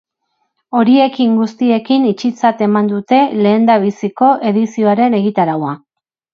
Horiekin guztiekin itxitzat eman dute lehendabiziko edizioaren egitaraua.